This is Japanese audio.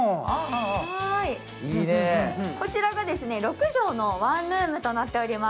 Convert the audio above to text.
こちらが６畳のワンルームとなっております。